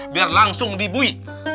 biar langsung dibui